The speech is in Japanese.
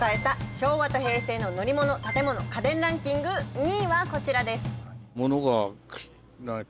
昭和と平成の乗り物・建物・家電ランキング２位はこちらです。